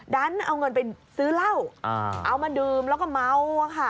ดันเอาเงินไปซื้อเหล้าเอามาดื่มแล้วก็เมาอะค่ะ